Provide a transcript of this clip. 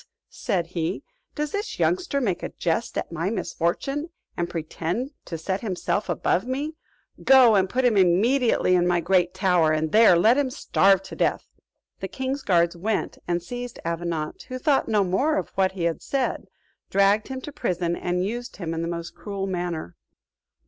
said he, "does this youngster make a jest at my misfortune, and pretend to set himself above me? Go and put him immediately in my great tower, and there let him starve to death." The king's guards went and seized Avenant who thought no more of what he had said, dragged him to prison, and used him in the most cruel manner.